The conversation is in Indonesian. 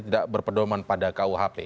tidak berpedoman pada kuhp